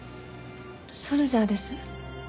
ソルジャーです。